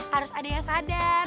harus ada yang sadar